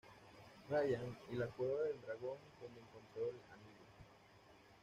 Ryan y la cueva del dragón donde encontró el anillo.